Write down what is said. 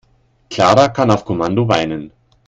Clara kann auf Kommando weinen.